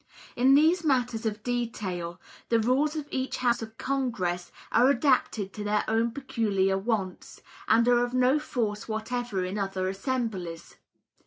In these matters of detail, the rules of each House of Congress are adapted to their own peculiar wants, and are of no force whatever in other assemblies.